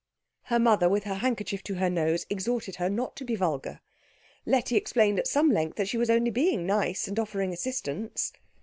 Her mother, with her handkerchief to her nose, exhorted her not to be vulgar. Letty explained at some length that she was only being nice, and offering assistance.